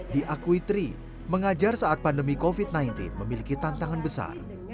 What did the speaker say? diakui tri mengajar saat pandemi covid sembilan belas memiliki tantangan besar